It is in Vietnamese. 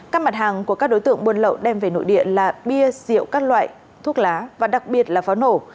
các mặt hàng của các đối tượng buôn lậu đem về nội địa là bia rượu các loại thuốc lá và đặc biệt là pháo nổ